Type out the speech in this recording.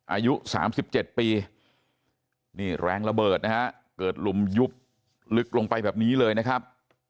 อายุ๓๗ปีนี่แรงระเบิดนะฮะเกิดลุมยุบลึกลงไปแบบนี้เลยนะครับ